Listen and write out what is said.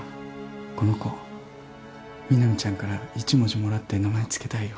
この子南ちゃんから一文字もらって名前つけたいよ。